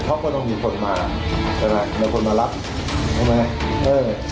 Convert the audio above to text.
เขาก็ต้องมีคนมาอะไรมีคนมารับรู้ไหม